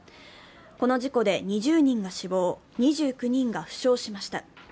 この事故で２０人が死亡２９人が負傷しました。